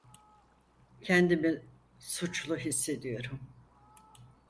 Kendimi suçlu hissediyorum.